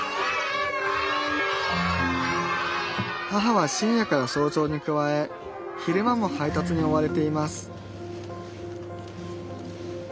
母は深夜から早朝に加え昼間も配達に追われています